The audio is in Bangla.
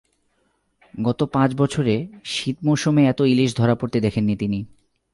গত পাঁচ বছরে শীত মৌসুমে এত ইলিশ ধরা পড়তে দেখেননি তিনি।